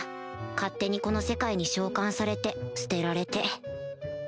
勝手にこの世界に召喚されて捨てられて